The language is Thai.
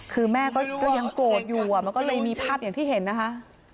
คือแม่ก็ยังโกรธอยู่มันก็เลยมีภาพอย่างที่เห็นนะคะ